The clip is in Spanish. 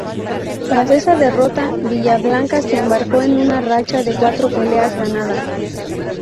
Tras esa derrota, Villablanca se embarcó en una racha de cuatro peleas ganadas.